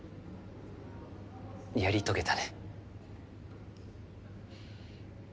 やり遂げたね。